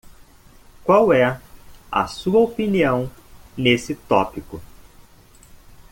Qual é a sua opinião nesse tópico?